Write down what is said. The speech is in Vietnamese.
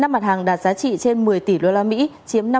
năm mặt hàng đạt giá trị trên một mươi tỷ đô la mỹ chiếm năm mươi tám bảy